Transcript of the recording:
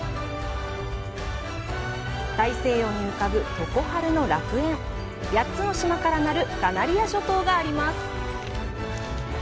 大西洋に浮かぶ常春の楽園８つの島からなるカナリア諸島があります。